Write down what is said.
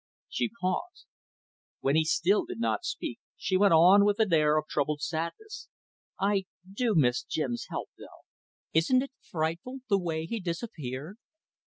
She paused. When he still did not speak, she went on, with an air of troubled sadness; "I do miss Jim's help though. Isn't it frightful the way he disappeared?